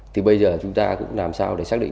thì bây giờ chúng ta cũng làm sao để xác định